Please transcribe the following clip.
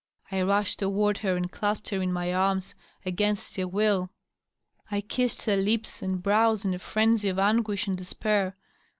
I rushed toward her and clasped her in my arms, against her will. I kissed her lips and brows in a frenzy of anguish and despair.